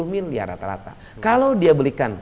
satu miliar rata rata kalau dia belikan